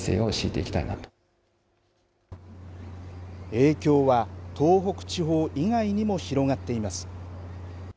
影響は東北地方以外にも広がっています。